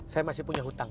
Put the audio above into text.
saya masih punya hutang